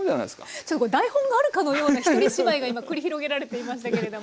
ちょっとこれ台本があるかのような１人芝居が今繰り広げられていましたけれども。